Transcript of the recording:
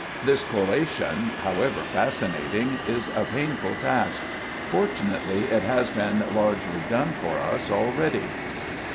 This collation, however fascinating, is a painful task. Fortunately it has been largely done for us already.